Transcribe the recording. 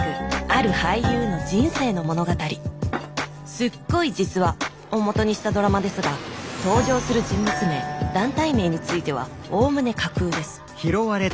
すっごい実話！をもとにしたドラマですが登場する人物名団体名についてはおおむね架空です